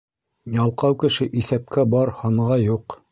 Ялҡау кеше иҫәпкә бар, һанға юҡ.